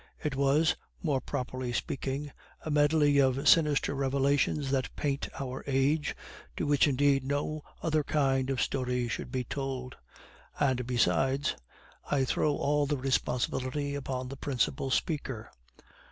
It was, more properly speaking, a medley of sinister revelations that paint our age, to which indeed no other kind of story should be told; and, besides, I throw all the responsibility upon the principal speaker.